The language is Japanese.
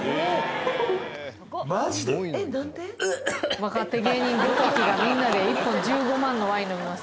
若手芸人ごときがみんなで１本１５万のワイン飲みます